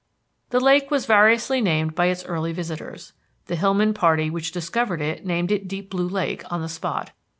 The lake was variously named by its early visitors. The Hillman party which discovered it named it Deep Blue Lake on the spot.